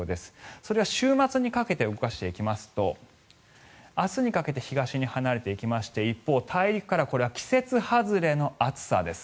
それでは週末にかけて動かしていきますと明日にかけて東に離れていきまして一方、大陸からこれは季節外れの暑さです。